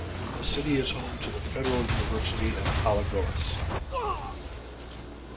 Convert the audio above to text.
The city is home to the Federal University of Alagoas.